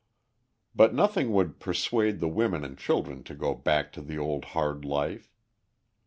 But nothing would persuade the women and children to go back to the old hard life.